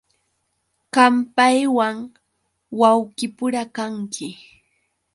Qam paywan wawqipura kanki.